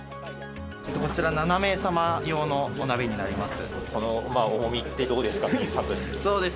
こちら、７名様用のお鍋になります。